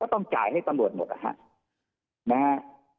ต้องจ่ายให้ตำรวจหมดนะฮะ